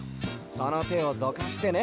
そのてをどかしてね。